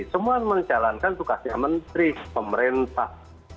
semua menjalankan tugasnya menteri pemerintah